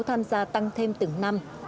tham gia tăng thêm từng năm